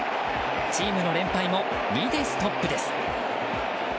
チームの連敗も２でストップです。